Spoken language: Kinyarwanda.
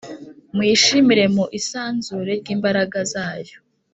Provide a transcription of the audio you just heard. Muyishimire mu isanzure ry’ imbaraga zayo